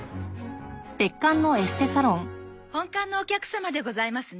本館のお客様でございますね。